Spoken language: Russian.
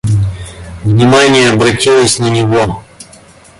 Внимание обратилось на него.